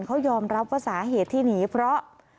เขายอมรับว่าสาเหตุที่หนีเพราะ